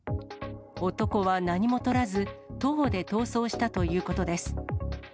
男は何もとらず、徒歩で逃走したということです。